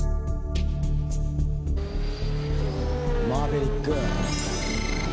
マーヴェリック。